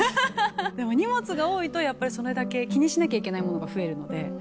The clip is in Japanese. でも荷物が多いとやっぱりそれだけ気にしなきゃいけないものが増えるので。